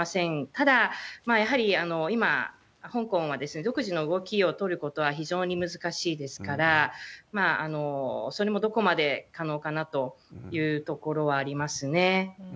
ただ、やはり今、香港は独自の動きを取ることは非常に難しいですから、それもどこまで可能かなというところはありますね。